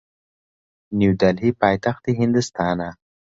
نیودەلهی پایتەختی هیندستانە.